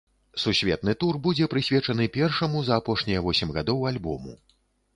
Сусветны тур будзе прысвечаны першаму за апошнія восем гадоў альбому.